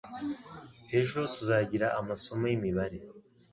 Ejo tuzagira amasomo yimibare.